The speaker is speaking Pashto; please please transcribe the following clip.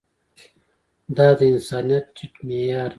دا د انسانيت ټيټ معيار دی.